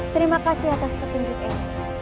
terima kasih atas petunjukmu